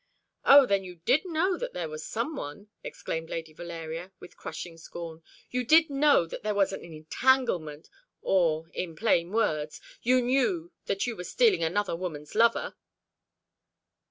"O, then you did know that there was some one?" exclaimed Lady Valeria, with crushing scorn. "You did know that there was an entanglement or, in plain words, you knew that you were stealing another woman's lover."